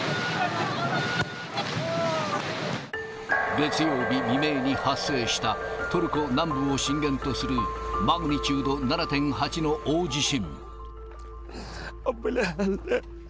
月曜日未明に発生した、トルコ南部を震源とするマグニチュード７．８の大地震。